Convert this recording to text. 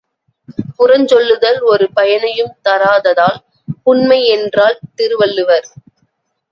புறஞ்சொல்லுதல் ஒரு பயனையும் தராததால் புன்மை என்றார் திருவள்ளுவர்.